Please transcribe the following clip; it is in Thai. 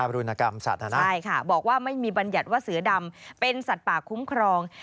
รุณกรรมสัตว์ใช่ค่ะบอกว่าไม่มีบัญญัติว่าเสือดำเป็นสัตว์ป่าคุ้มครอง